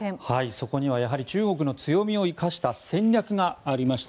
そこにはやはり中国の強みを生かした戦略がありました。